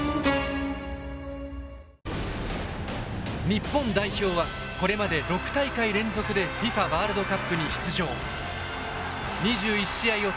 日本代表はこれまで６大会連続でＦＩＦＡワールドカップに出場。